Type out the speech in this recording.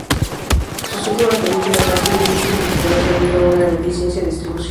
Sus últimas películas han sido difíciles de ver debido a una deficiente distribución.